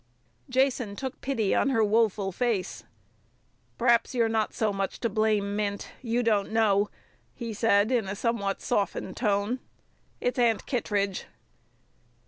Jason took pity on her woful face. "P'raps you're not so much to blame, Mint. You don't know," he said, in a somewhat softened tone. "It's Aunt Kittredge."